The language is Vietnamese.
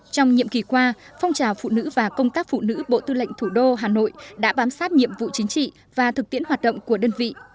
trong nhiệm kỳ qua phong trào phụ nữ và công tác phụ nữ bộ tư lệnh thủ đô hà nội đã bám sát nhiệm vụ chính trị và thực tiễn hoạt động của đơn vị